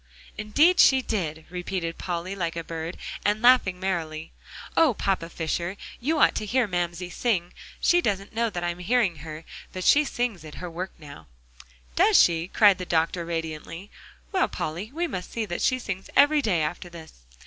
"Indeed she did!" repeated Polly like a bird, and laughing merrily. "Oh, Papa Fisher! you ought to hear Mamsie sing. She doesn't know I'm hearing her, but she sings at her work now." "Does she?" cried the doctor radiantly. "Well, Polly, we must see that she sings every day, after this."